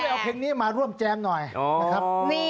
เอาเพลงนี้มาร่วมแจมหน่อยนะครับ